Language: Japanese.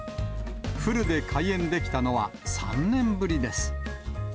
フルで開園できたのは３年ぶりです。